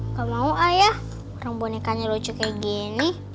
nggak mau ayah orang bonekanya lucu kayak gini